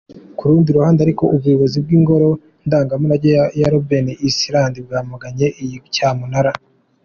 Ku rundi ruhande ariko Ubuyobozi bw’ingoro ndangamurage ya Robben Island bwamaganye iyi cyamunara.